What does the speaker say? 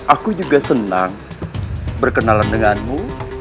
aku juga senang berkenalan denganmu